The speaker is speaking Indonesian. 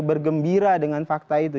bergembira dengan fakta itu